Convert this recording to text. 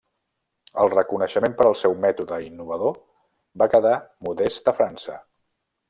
El reconeixement per al seu mètode innovador va quedar modest a França.